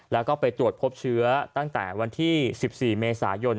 แล้วก็ไปตรวจพบเชื้อตั้งแต่วันที่๑๔เมษายน